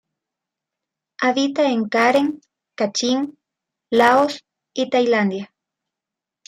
Habita en Karen, Kachin, Laos y Tailandia.